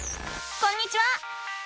こんにちは！